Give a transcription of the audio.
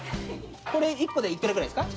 これ１個で幾らぐらいですか？